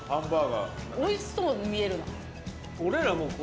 おいしそうに見える。